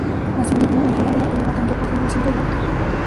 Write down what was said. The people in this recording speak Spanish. Asimismo, el final de la prueba tampoco ha sido siempre Dakar.